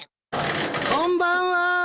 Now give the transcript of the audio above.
こんばんは！